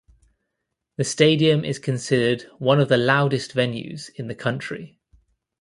The stadium is considered one of the loudest venues in the country.